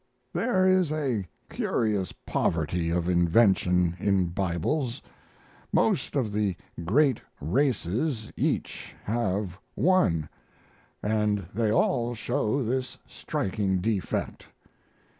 "There is a curious poverty of invention in Bibles. Most of the great races each have one, and they all show this striking defect.